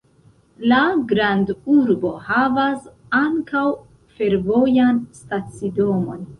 La grandurbo havas ankaŭ fervojan stacidomon.